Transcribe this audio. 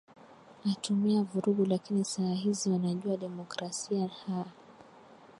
atumia vurugu lakini saa hizi wanajua democrasia ha